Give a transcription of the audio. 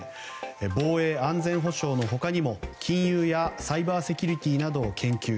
防衛・安全保障の他にも金融やサイバーセキュリティーを研究。